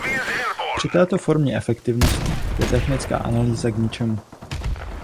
Při této formě efektivnosti je technická analýza k ničemu.